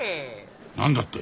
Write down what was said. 何だって？